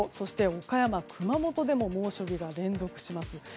岡山、熊本でも猛暑日連続します。